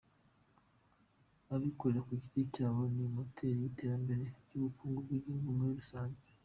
Abikorera ku giti cyabo ni moteri y’iterambere ry’ubukungu bw’igihugu muri rusange.